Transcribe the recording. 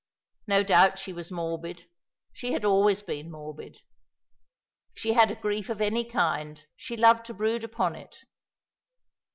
No doubt she was morbid; she had always been morbid. If she had a grief of any kind she loved to brood upon it.